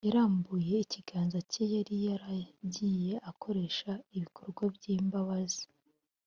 yarambuye ikiganza cye yari yaragiye akoresha ibikorwa by’imbabaz